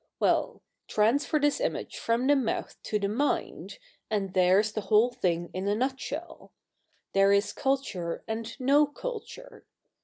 Well, transfer this image from the mouth to the mind, and there's the whole thing in a nutshell. There is culture and no culture.